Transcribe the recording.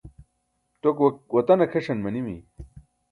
ṭok watan akʰeṣan manimi